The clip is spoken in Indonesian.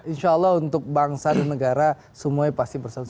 insya allah untuk bangsa dan negara semuanya pasti bersatu